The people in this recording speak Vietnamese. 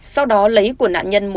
sau đó lấy của nạn nhân